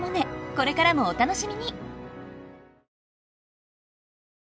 これからもお楽しみに！